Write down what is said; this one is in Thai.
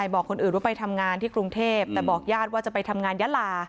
บอกคนอื่นว่าไปทำงานที่กรุงเทพแต่บอกญาติว่าจะไปทำงานยาลา